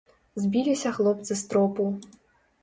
Збіліся хлопцы з тропу.